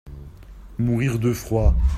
Mourir de froid.